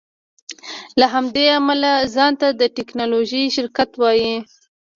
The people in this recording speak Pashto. له همدې امله ځان ته د ټیکنالوژۍ شرکت وایې